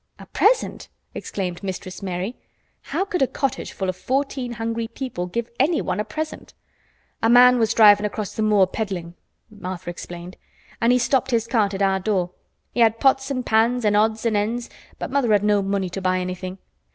"A present!" exclaimed Mistress Mary. How could a cottage full of fourteen hungry people give anyone a present! "A man was drivin' across the moor peddlin'," Martha explained. "An' he stopped his cart at our door. He had pots an' pans an' odds an' ends, but mother had no money to buy anythin'.